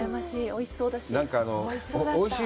おいしそうだし。